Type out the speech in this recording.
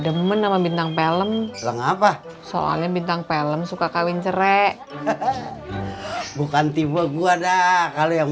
demen sama bintang pelem lengapah soalnya bintang pelem suka kawin cere bukanti gua dah kalau yang